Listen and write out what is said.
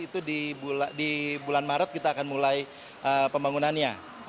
itu di bulan maret kita akan mulai pembangunannya